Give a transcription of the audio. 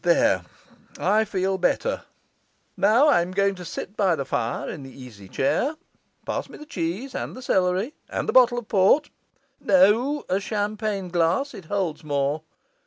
There, I feel better. Now I'm going to sit by the fire in the easy chair; pass me the cheese, and the celery, and the bottle of port no, a champagne glass, it holds more.